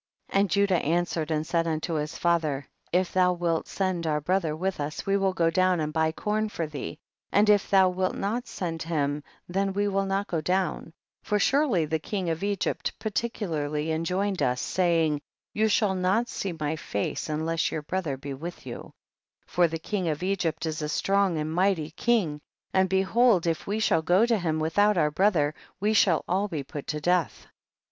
11. And Judah answered and said unto his father, if ihou wilt send our brother with us we will go down and buy corn for thee, and if thou wilt not send him then we will not go down, for surely the king of Egypt particularly enjoined us, saying, you shall not see my face unless your brother be with you, for the king of Egypt is a strong and mighty king, and behold if we shall go to him without our brother we shall all be put to death.